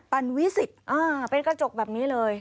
ปั่นวิสิตเป็นกระจกแบบนี้เลย